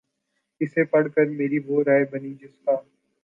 اسے پڑھ کر میری وہ رائے بنی جس کا